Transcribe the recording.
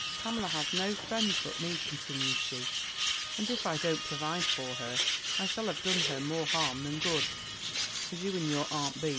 'Pamela has no friend but me,' continued she; 'and if I don't provide for her, I shall have done her more harm than good (as you and your aunt B.